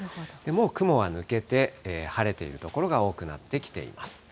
もう雲は抜けて、晴れている所が多くなってきています。